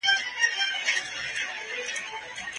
د پسونو زنګونه په ارامه فضا کې کړنګېدل.